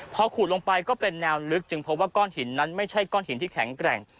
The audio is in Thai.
พอขูดลงไปก็เป็นแนวลึกจึงพบว่าก้อนหินนั้นไม่ใช่ก้อนหินที่แข็งแกร่ง